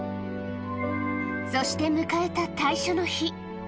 そして迎えた退所の日。